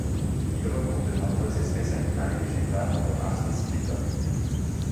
Il regroupe de nombreuses espèces animales et végétales dont de rares specimens d'orchidées.